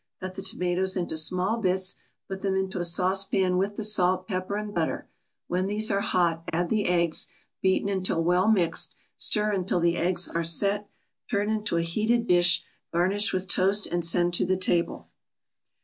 Cut the tomatoes into small bits, put them into a saucepan with the salt, pepper and butter; when these are hot add the eggs, beaten until well mixed, stir until the eggs are "set," turn into a heated dish, garnish with toast and send to the table.